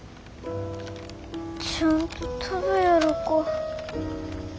ちゃんと飛ぶやろか。